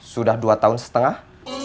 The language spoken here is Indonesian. sudah dua tahun setengah